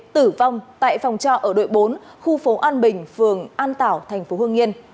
tử vong tại phòng trọ ở đội bốn khu phố an bình phường an tảo thành phố hương nghiên